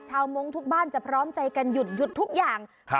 มงค์ทุกบ้านจะพร้อมใจกันหยุดหยุดทุกอย่างครับ